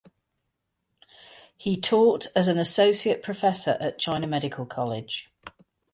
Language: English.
He taught as an associate professor at China Medical College.